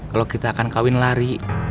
kalau kita akan kawin lari